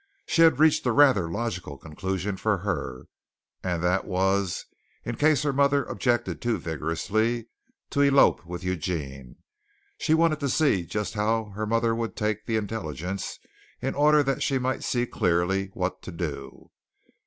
She had reached a rather logical conclusion for her, and that was, in case her mother objected too vigorously, to elope with Eugene. She wanted to see just how her mother would take the intelligence in order that she might see clearly what to do.